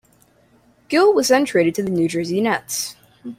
Gill was then traded to the New Jersey Nets.